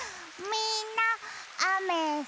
みんなあめすき？